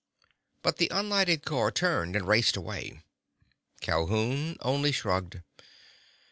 But the unlighted car turned and raced away. Calhoun only shrugged.